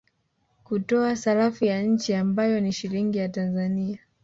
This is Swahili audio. Kutoa sarafu ya nchi ambayo ni Shilingi ya Tanzania